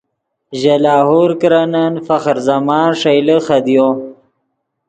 ژے لاہور کرنن فخر زمانن ݰئیلے خدیو